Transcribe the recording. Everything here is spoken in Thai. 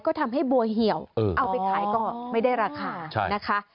ก็ทำให้บัวเหี่ยวเอาไปขายก็ไม่ได้ราคานะคะ